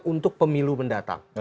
untuk pemilu mendatang